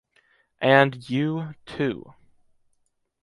And you too!